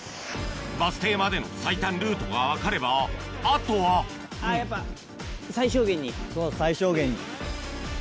バス停までの最短ルートが分かればあとはそう最小限に。